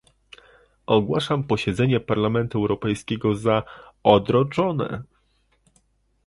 Ogłaszam posiedzenie Parlamentu Europejskiego za odroczone